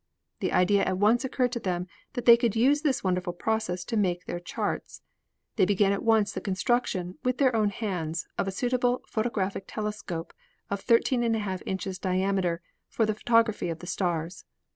The idea at once occurred to them that they could use this wonderful process to make their charts. They began at once the construction, with their own hands, of a suitable photographic telescope of 13^2 inches diameter for the photography of the stars.